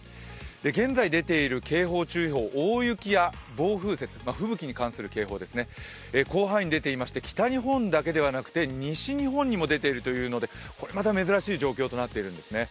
現在出ている警報、注意報、大雪や暴風雪、吹雪に関する警報ですね、広範囲に出ていまして、北日本だけではなくて西日本も出ているという、これまた珍しい状況です。